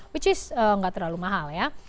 which is nggak terlalu mahal ya